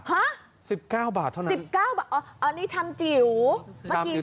ฮะ๑๙บาทเท่านั้น๑๙บาทอันนี้ชามจิ๋ว